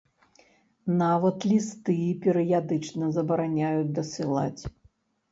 Нават лісты перыядычна забараняюць дасылаць.